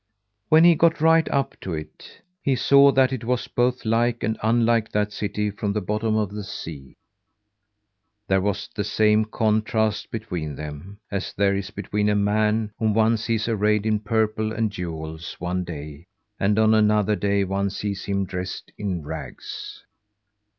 When he got right up to it, he saw that it was both like and unlike that city from the bottom of the sea. There was the same contrast between them, as there is between a man whom one sees arrayed in purple and jewels one day, and on another day one sees him dressed in rags.